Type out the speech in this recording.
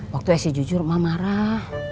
waktu esi jujur emak marah